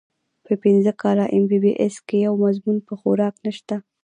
پۀ پنځه کاله اېم بي بي اېس کښې يو مضمون پۀ خوراک نشته